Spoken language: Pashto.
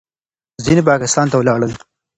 ځینې پاکستان ته ولاړل.